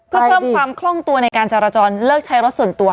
เพื่อเพิ่มความคล่องตัวในการจรจรเลิกใช้รถส่วนตัว